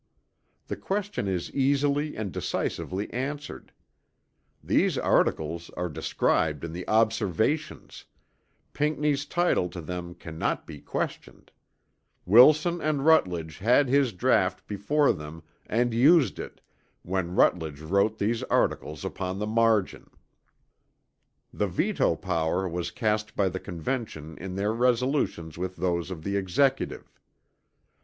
The question is easily and decisively answered: _these articles are described in the Observations; Pinckney's title to them cannot be questioned; Wilson and Rutledge had his draught before them, and used it, when Rutledge wrote these articles upon the margin_. The veto power was cast by the Convention in their resolutions with those of the Executive.